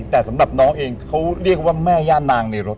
แต่สำหรับน้องเองเขาเรียกว่าแม่ย่านางในรถ